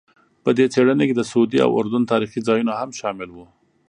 په دې څېړنه کې د سعودي او اردن تاریخي ځایونه هم شامل وو.